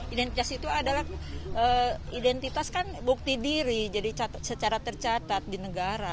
identitas itu adalah identitas kan bukti diri jadi secara tercatat di negara